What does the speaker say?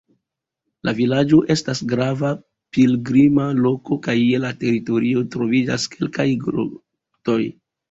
La vilaĝo estas grava pilgrima loko, kaj je la teritorio troviĝas kelkaj grotoj.